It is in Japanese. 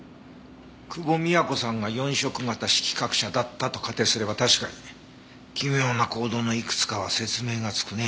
久保美也子さんが四色型色覚者だったと仮定すれば確かに奇妙な行動のいくつかは説明がつくね。